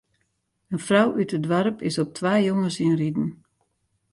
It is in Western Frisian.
In frou út it doarp is op twa jonges ynriden.